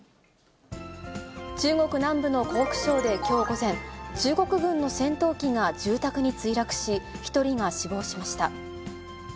中国南部の湖北省できょう午前、中国軍の戦闘機が住宅に墜落し、１人が死亡しました。